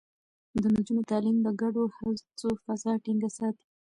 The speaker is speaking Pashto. د نجونو تعليم د ګډو هڅو فضا ټينګه ساتي.